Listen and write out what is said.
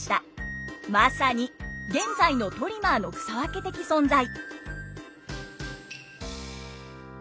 まさに現在のトリマーの草分け的存在！